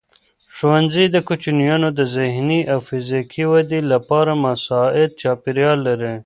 ښوونځی د کوچنیانو د ذهني او فزیکي ودې لپاره مساعد چاپېریال لري.